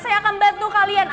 saya akan bantu kalian